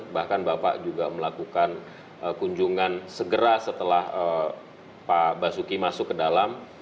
bahkan bapak juga melakukan kunjungan segera setelah pak basuki masuk ke dalam